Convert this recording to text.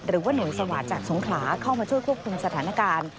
หรือว่าหน่วยสวาสจากสงขลาเข้ามาช่วยควบคุมสถานการณ์